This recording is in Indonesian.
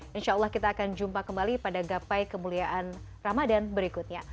insya allah kita akan jumpa kembali pada gapai kemuliaan ramadan berikutnya